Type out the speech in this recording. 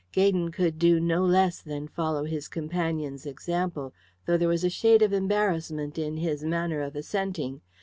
Gaydon could do no less than follow his companion's example, though there was a shade of embarrassment in his manner of assenting.